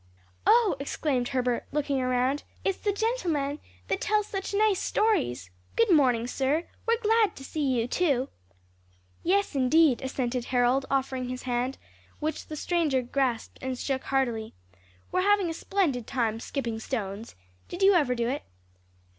"Oh," exclaimed Herbert, looking round, "it's the gentleman that tells such nice stories! Good morning, sir. We're glad to see you, too." "Yes, indeed," assented Harold offering his hand, which the stranger grasped and shook heartily. "We're having a splendid time skipping stones. Did you ever do it?"